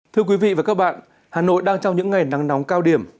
thưa quý vị và các bạn hà nội đang trong những ngày nắng nóng cao điểm